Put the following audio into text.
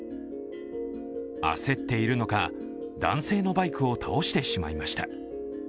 焦っているのか、男性のバイクを倒してしまいました。